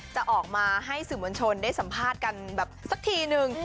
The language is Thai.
จะออกมาให้สื่อมวลชนได้สัมภาษณ์กันแบบสักทีนึง